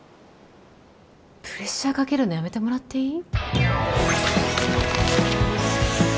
プレッシャーかけるのやめてもらっていい？